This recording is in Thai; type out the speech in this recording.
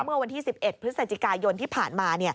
เมื่อวันที่๑๑พฤศจิกายนที่ผ่านมา